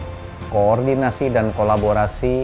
selain inovasi koordinasi dan kolaborasi